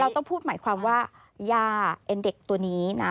ต้องพูดหมายความว่ายาเอ็นเด็กตัวนี้นะ